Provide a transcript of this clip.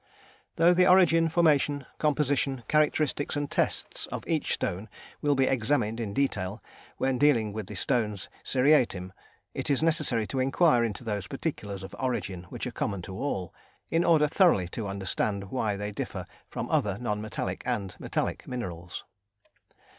Though the origin, formation, composition, characteristics and tests of each stone will be examined in detail when dealing with the stones seriatim, it is necessary to enquire into those particulars of origin which are common to all, in order thoroughly to understand why they differ from other non metallic and metallic minerals.